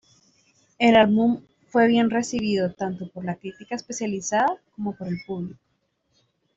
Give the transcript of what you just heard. El álbum fue bien recibido tanto por la crítica especializada como por el público.